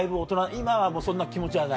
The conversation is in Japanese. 今はもうそんな気持ちはない？